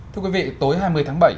thưa quý vị tối hai mươi tháng bảy